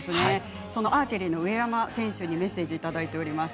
アーチェリーの上山選手にメッセージいただいています。